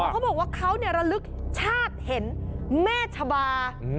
เขาบอกว่าเขาระลึกชาติเห็นแม่ชะบา